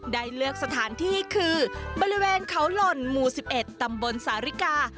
ได้เลือกสถานที่คือบริเวณเขาหล่นหมู่๑๑ตำบลสาริกา